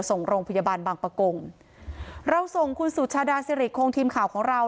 ส่งโรงพยาบาลบางประกงเราส่งคุณสุชาดาสิริโครงทีมข่าวของเรา